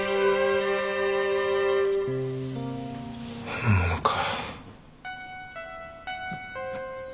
本物か。